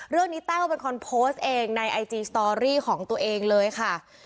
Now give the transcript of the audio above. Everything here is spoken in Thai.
แต้วเป็นคนโพสต์เองในไอจีสตอรี่ของตัวเองเลยค่ะ